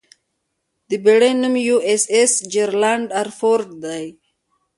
د بېړۍ نوم 'یواېساېس جېرالډ ار فورډ' دی.